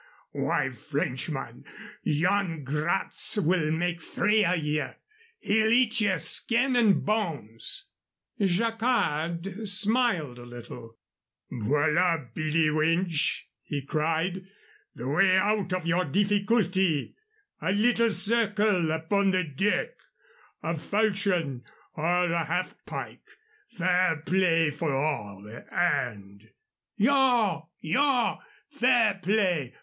Why, Frenchman, Yan Gratz will make three of ye. He'll eat ye skin an' bones." Jacquard smiled a little. "Voilà! Billee Winch," he cried, "the way out of your difficulty: a little circle upon the deck, a falchion or a half pike fair play for all, and " "Yaw! yaw! Fair play!